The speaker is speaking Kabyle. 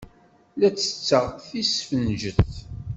La ttetteɣ tisfenjet.